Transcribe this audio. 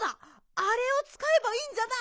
あれをつかえばいいんじゃない？